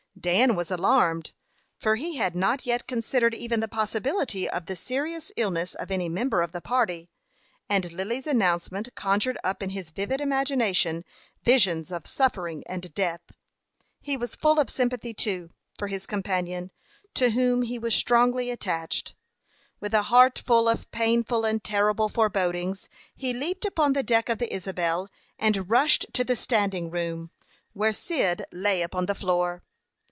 Dan was alarmed, for he had not yet considered even the possibility of the serious illness of any member of the party; and Lily's announcement conjured up in his vivid imagination visions of suffering and death. He was full of sympathy, too, for his companion, to whom he was strongly attached. With a heart full of painful and terrible forebodings, he leaped upon the deck of the Isabel, and rushed to the standing room, where Cyd lay upon the floor.